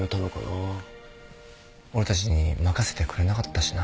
俺たちに任せてくれなかったしな。